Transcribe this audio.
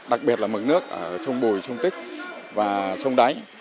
đặc biệt là mực nước ở sông bùi sông tích và sông đáy